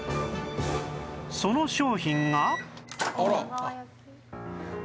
その商品が